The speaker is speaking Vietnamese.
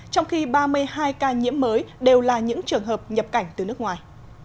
trong khi ba mươi hai ca nhiễm mới đều là những trường hợp nhập cảnh từ nước ngoài